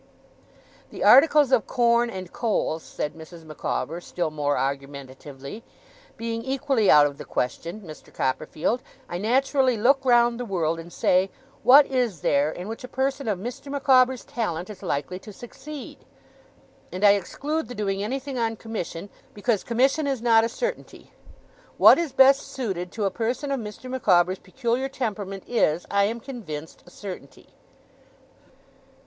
'The articles of corn and coals,' said Mrs. Micawber, still more argumentatively, 'being equally out of the question, Mr. Copperfield, I naturally look round the world, and say, "What is there in which a person of Mr. Micawber's talent is likely to succeed?" And I exclude the doing anything on commission, because commission is not a certainty. What is best suited to a person of Mr. Micawber's peculiar temperament is, I am convinced, a certainty.